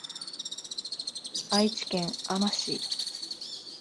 愛知県あま市